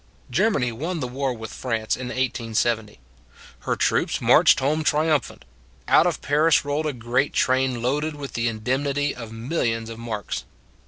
Germany won the war with France in 1870. Her troops marched home tri umphant: out of Paris rolled a great train loaded with the indemnity of millions of marks.